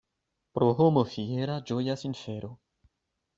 Pro homo fiera ĝojas infero.